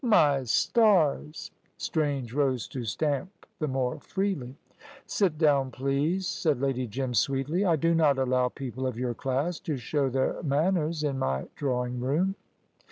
"My stars!" Strange rose to stamp the more freely. "Sit down, please," said Lady Jim, sweetly. "I do not allow people of your class to show their manners in my drawing room."